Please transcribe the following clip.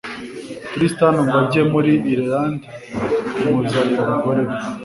Tristan ngo ajye muri Ireland kumuzanira umugore we